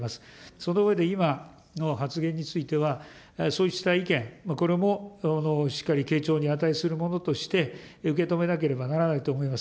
その上で今の発言については、そうした意見、これもしっかり傾聴に値するものとして、受け止めなければならないと思います。